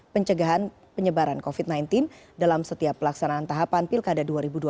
pencegahan penyebaran covid sembilan belas dalam setiap pelaksanaan tahapan pilkada dua ribu dua puluh